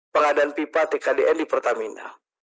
pengadaan pipa tkdn di pertamina